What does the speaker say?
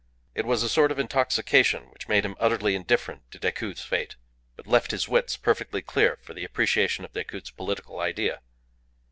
It was a sort of intoxication which made him utterly indifferent to Decoud's fate, but left his wits perfectly clear for the appreciation of Decoud's political idea.